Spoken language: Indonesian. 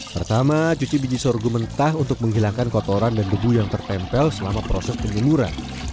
pertama cuci biji sorghum mentah untuk menghilangkan kotoran dan debu yang tertempel selama proses penyeluruhan